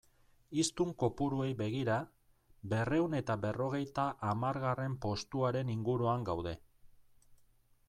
Hiztun kopuruei begira, berrehun eta berrogeita hamargarren postuaren inguruan gaude.